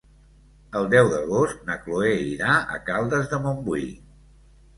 El deu d'agost na Cloè irà a Caldes de Montbui.